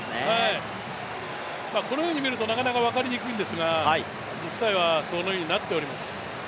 このように見ると、なかなか分かりにくいんですが、実際はそのようになっております。